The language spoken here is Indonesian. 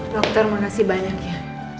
dokter mengasih banyak ya